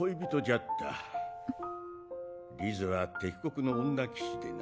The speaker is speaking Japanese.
リズは敵国の女騎士でな。